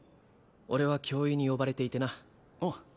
俺は教諭に呼ばれていてなおう